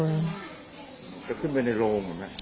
จะขึ้นไปในโรงหรือไง